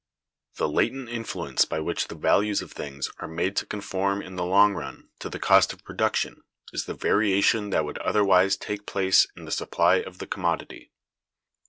The latent influence by which the values of things are made to conform in the long run to the cost of production is the variation that would otherwise take place in the supply of the commodity.